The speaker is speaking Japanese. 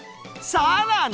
さらに！